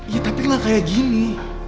ya tapi lah kayak gini